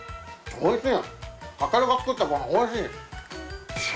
おいしい？